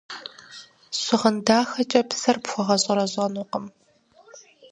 Щыгъын дахэкӏэ псэр пхуэгъэщӏэрэщӏэнукъым.